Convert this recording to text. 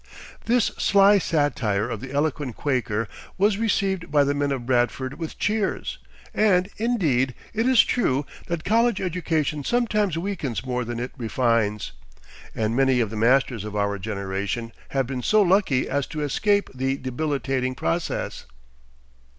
This sly satire of the eloquent Quaker was received by the men of Bradford with cheers; and, indeed, it is true that college education sometimes weakens more than it refines, and many of the masters of our generation have been so lucky as to escape the debilitating process.